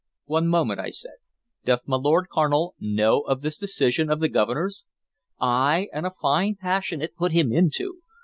"One moment," I said. "Doth my Lord Carnal know of this decision of the Governor's?" "Ay, and a fine passion it put him into.